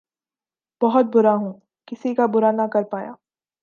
بہت بُرا ہُوں! کسی کا بُرا نہ کر پایا